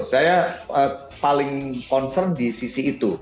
saya paling concern di sisi itu